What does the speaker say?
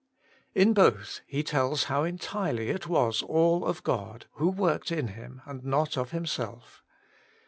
In both he tells how entirely it was all of God, who worked in Him, and not of himself.